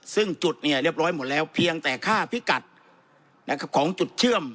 ซึ่งจุดเนี่ยเรียบร้อยหมดแล้วเพียงแต่ค่าพิกัดของจุดเชื่อม